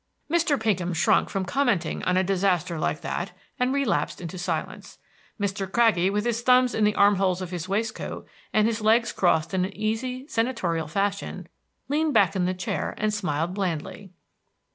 Mr. Pinkham shrunk from commenting on a disaster like that, and relapsed into silence. Mr. Craggie, with his thumbs in the arm holes of his waistcoat, and his legs crossed in an easy, senatorial fashion, leaned back in the chair and smiled blandly.